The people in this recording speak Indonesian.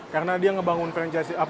karena dia ngebangun franchise